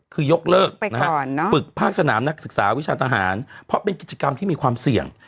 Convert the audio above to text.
คือยกเลิกฝึกภาคสนามนักศึกษาวิชาทหารเพราะเป็นกิจกรรมที่มีความเสี่ยง